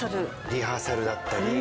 リハーサルだったり。